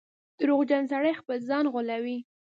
• دروغجن سړی خپل ځان غولوي.